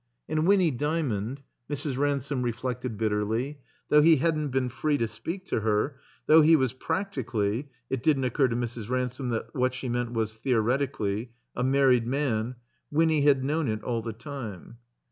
And Winny Dymond (Mrs. Ransome reflected bit terly), though he hadn't been free to speak to her, though he was practically (it didn't occur to Mrs. Ransome that what she meant was theoretically) a married man, Winny had known it aU the time.